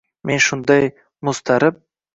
men shunday muztarib